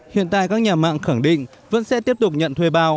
hiện tại các nhà mạng khẳng định vẫn sẽ tiếp tục nhận thuê bao